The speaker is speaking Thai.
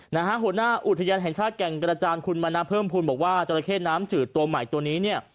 นะฮะหัวหน้าอุทยานแห่งชาติแก่งกระจานคุณมณพบว่าจราเขตน้ำจืดตัวใหม่ตัวนี้เนี่ย